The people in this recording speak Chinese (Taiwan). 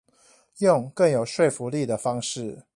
用更有說服力的方式